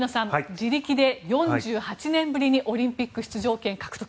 自力で４８年ぶりにオリンピック出場権獲得。